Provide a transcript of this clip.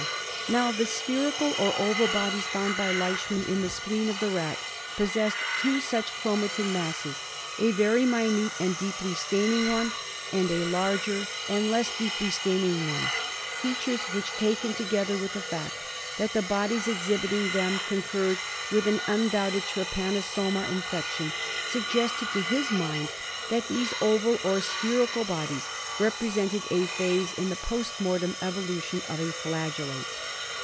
Now, the spherical or oval bodies found by Leishman in the spleen of the rat possessed two such chromatin masses — a very minute and deeply staining one, and a larger • 4 ,/# 138 KALA AZAR. and less deeply staining one ; features which, taken together with the fact that the bodies exhibiting them concurred with an undoubted trypanosoma infection, suggested to his mind that these oval or spherical bodies represented a phase in the post mortem evolution of a flagellate.